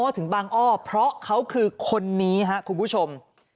อ๋อถึงต่างอ้อเพราะเขาคือคนนี้ฮะคุณผู้ชม